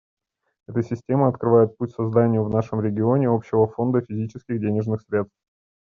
Эта система открывает путь к созданию в нашем регионе общего фонда физических денежных средств.